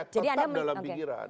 tetap dalam pikiran